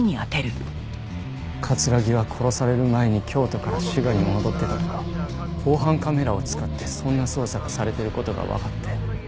木は殺される前に京都から滋賀に戻ってたとか防犯カメラを使ってそんな捜査がされてる事がわかって。